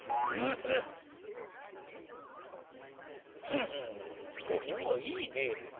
フフッおおいいね。